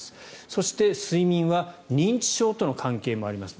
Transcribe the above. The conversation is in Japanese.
そして、睡眠は認知症との関係もあります。